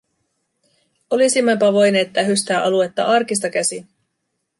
Olisimmepa voineet tähystää aluetta arkista käsin.